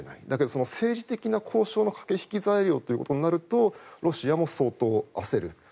だけど政治的な交渉の駆け引き材料となるとロシアも相当焦る。